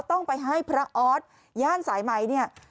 ต้องไปให้พระออสย่านสายไหมเนี่ย